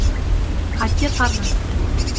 Хати ҡаны.